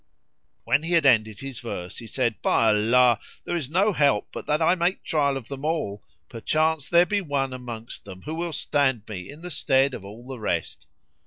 When he had ended his verse he said, "By Allah, there is no help but that I make trial of them all: perchance there be one amongst them who will stand me in the stead of all the rest."